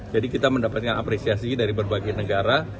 jadi kita mendapatkan apresiasi dari berbagai negara